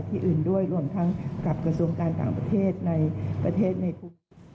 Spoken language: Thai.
ที่อื่นด้วยรวมทั้งกับกระทรวงการต่างประเทศในประเทศในกรุง